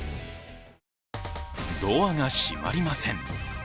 ドアが閉まりません。